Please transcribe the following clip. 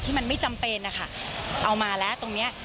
ที่มันไม่จำเป็นนะคะเอามาแล้วตรงเนี้ย